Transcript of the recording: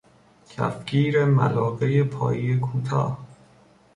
کفگیر ملاقه پایه کوتاه